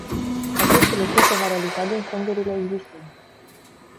Acest lucru se va realiza din fondurile existente.